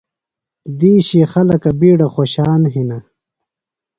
دِیشی خلکہ بِیڈہ خوشان ہِنہ۔